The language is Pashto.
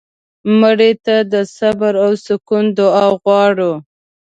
مړه ته د صبر او سکون دعا غواړو